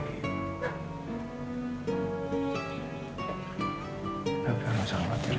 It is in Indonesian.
gak usah khawatir